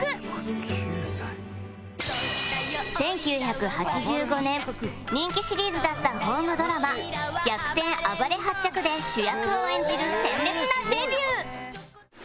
「９歳」１９８５年人気シリーズだったホームドラマ『逆転あばれはっちゃく』で主役を演じる鮮烈なデビュー